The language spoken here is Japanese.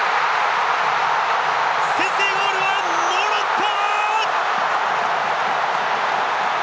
先制ゴールはモロッコ！